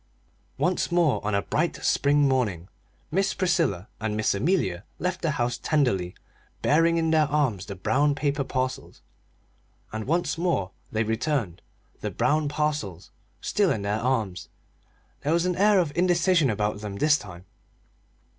Once more on a bright spring morning Miss Priscilla and Miss Amelia left the house tenderly bearing in their arms the brown paper parcels and once more they returned, the brown parcels still in their arms. There was an air of indecision about them this time.